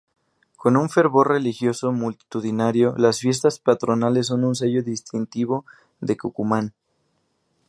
Con un fervor religioso multitudinario, las fiestas patronales son un sello distintivo de Tucumán.